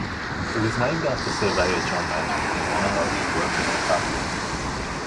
It was named after surveyor John Manning, in honour of his work in Antarctica.